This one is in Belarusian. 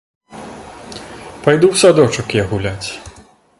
Пайду ў садочак я гуляць.